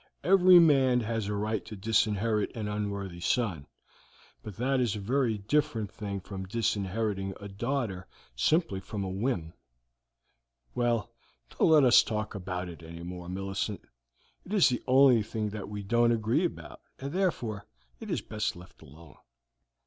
Every man has a right to disinherit an unworthy son, but that is a very different thing from disinheriting a daughter simply from a whim. Well, don't let us talk about it any more, Millicent. It is the only thing that we don't agree about, and therefore it is best left alone."